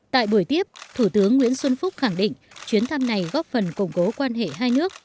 tại buổi tiếp thủ tướng nguyễn xuân phúc khẳng định chuyến thăm này góp phần củng cố quan hệ hai nước